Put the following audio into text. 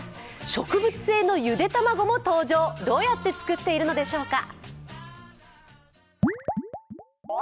植物性のゆで卵も登場、どうやって作っているのでしょうか？